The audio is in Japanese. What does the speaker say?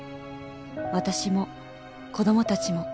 「私も子どもたちも」